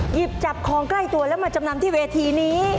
หยิบจับของใกล้ตัวแล้วมาจำนำที่เวทีนี้